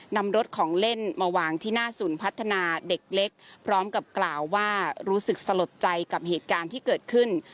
นำรถของเล่นมาวางที่หน้าศูนย์พัฒนาเด็กเล็กพร้อมกับกล่าวว่ารู้สึกสลดใจกับเหตุการณ์ที่เกิดขึ้น